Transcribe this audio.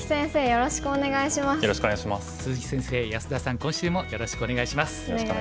よろしくお願いします。